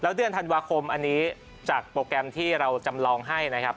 เดือนธันวาคมอันนี้จากโปรแกรมที่เราจำลองให้นะครับ